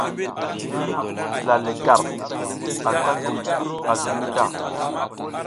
I zila le gar, anta a ngum a zilmi ta.